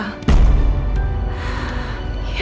kantongan itu berisi barang bukti elsa